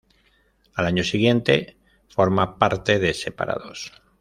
Al año siguiente forma parte de "Separados".